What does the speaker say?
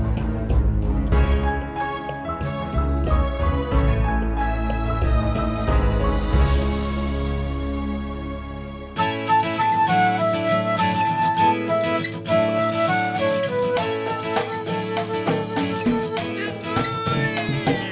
jadi bukannya bisa